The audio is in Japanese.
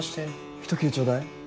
ひと切れちょうだい。